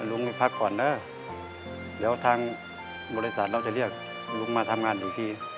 ลุงไปพักก่อนเด้อเดี๋ยวทางบริษัทเราจะเรียกลุงมาทำงานอีกที